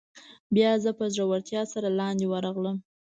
بیا زه په زړورتیا سره لاندې ورغلم.